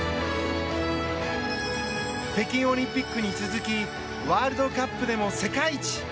北京オリンピックに続きワールドカップでも世界一。